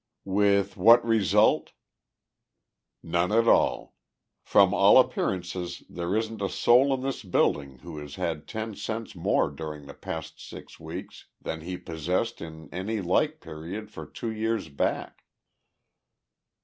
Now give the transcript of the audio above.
"With what result?" "None at all. From all appearances there isn't a soul in this building who has had ten cents more during the past six weeks than he possessed in any like period for two years back."